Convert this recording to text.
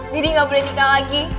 didi gak boleh nikah lagi